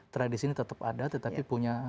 tradisi ini tetap ada tetapi punya